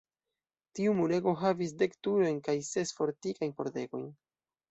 Tiu murego havis dek turojn kaj ses fortikajn pordegojn.